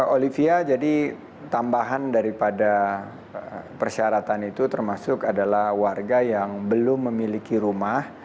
olivia jadi tambahan daripada persyaratan itu termasuk adalah warga yang belum memiliki rumah